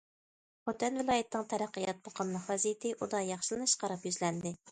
خوتەن ۋىلايىتىنىڭ تەرەققىيات، مۇقىملىق ۋەزىيىتى ئۇدا ياخشىلىنىشقا قاراپ يۈزلەندى.